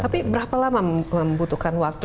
tapi berapa lama membutuhkan waktu